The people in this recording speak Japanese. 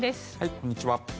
こんにちは。